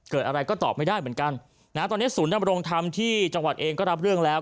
อะไรก็ตอบไม่ได้เหมือนกันนะฮะตอนนี้ศูนย์ดำรงธรรมที่จังหวัดเองก็รับเรื่องแล้ว